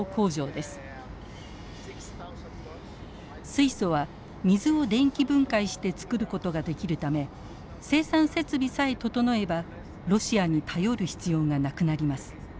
水素は水を電気分解して作ることができるため生産設備さえ整えばロシアに頼る必要がなくなります。